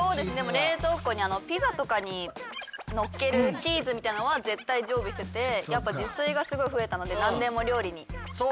冷蔵庫にピザとかにのっけるチーズみたいなのは絶対常備しててやっぱ自炊がすごい増えたので何でも料理にかけたりとか。